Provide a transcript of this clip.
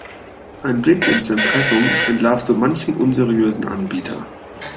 Ein Blick ins Impressum entlarvt so manchen unseriösen Anbieter.